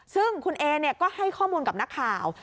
ซึ่งคุณเอก็ให้ข้อมูลกับนักข่าว